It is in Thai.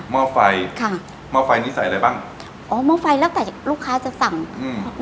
ห้อไฟค่ะหม้อไฟนี้ใส่อะไรบ้างอ๋อหม้อไฟแล้วแต่ลูกค้าจะสั่งอืม